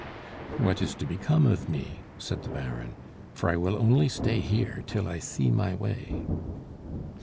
"What is to become of me?" said the Baron, "for I will only stay here till I see my way."